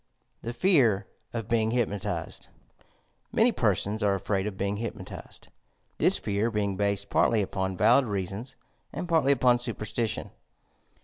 THE FE.VB OF BEING HTPNOTIZED Ulany persona are afraid of being hypnotized, — ^thia fear being based partly upon valid reasons and partly upon superstition.